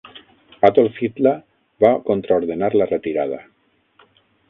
Adolf Hitler va contraordenar la retirada.